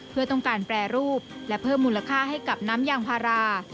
เพื่อต้องการแปรรูปและเพิ่มมูลค่าให้กับน้ำยางพารา